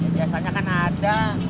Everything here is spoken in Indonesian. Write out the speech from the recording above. biasanya kan ada